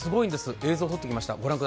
映像を撮ってきました。